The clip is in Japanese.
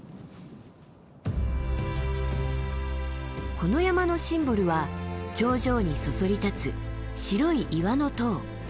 この山のシンボルは頂上にそそり立つ白い岩の塔オベリスク。